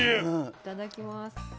いただきます。